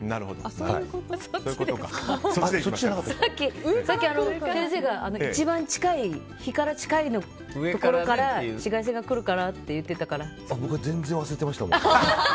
さっき先生が、一番日から近いところから紫外線がくるからって僕は全然忘れてました。